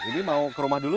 ini mau ke rumah dulu